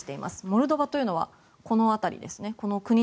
モルドバというのはこの辺りですね。